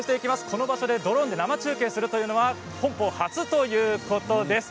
この場所でドローンで生中継するというのは本邦初ということです。